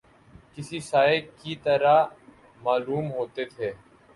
کسی سائے کی طرح معلوم ہوتے تھے